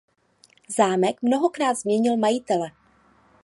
Zámek mnohokrát změnil majitele.